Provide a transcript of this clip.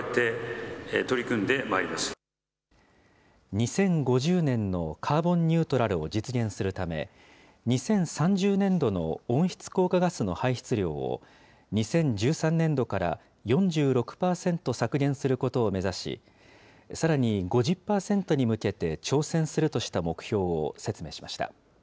２０５０年のカーボンニュートラルを実現するため、２０３０年度の温室効果ガスの排出量を２０１３年度から４６％削減することを目指し、さらに５０％に向けて挑戦するとした目標を説明しました。